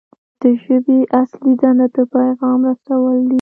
د ژبې اصلي دنده د پیغام رسول دي.